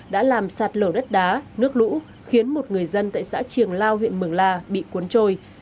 đã làm sạt lở đất đá nước lũ khiến một người dân tại xã triềng lao huyện mường la bị cuốn trôi